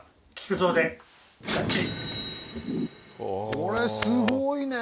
これすごいね！